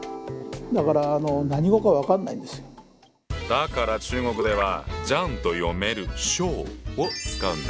だから中国ではジャンと読める「将」を使うんだ。